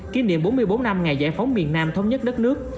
kỷ niệm bốn mươi bốn năm ngày giải phóng miền nam thống nhất đất nước